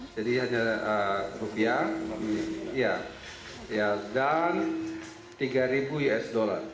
jadi hanya rupiah dan tiga usd